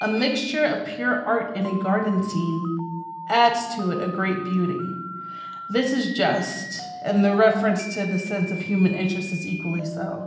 'A mixture of pure art in a garden scene, adds to it a great beauty.' This is just, and the reference to the sense of human interest is equally so.